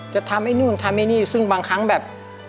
จะทำไอ้นู่นทำไอ้นี่ซึ่งบางครั้งแบบ